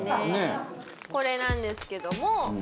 これなんですけども。